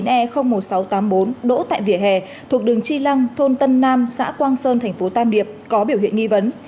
hai mươi chín e một nghìn sáu trăm tám mươi bốn đỗ tại vỉa hè thuộc đường tri lăng thôn tân nam xã quang sơn tp tan điệp có biểu hiện nghi vấn